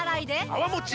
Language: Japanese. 泡もち